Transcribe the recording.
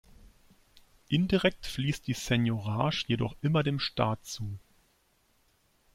Indirekt fließt die Seigniorage jedoch immer dem Staat zu.